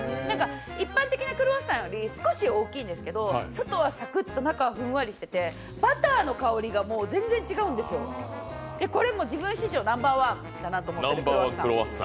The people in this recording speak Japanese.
一般的なクロワッサンより少し大きいんですけど外はサクッと、中はふんわりしていて、バターの香りが全然違うんですよ、自分史上ナンバーワンだと思ったんです。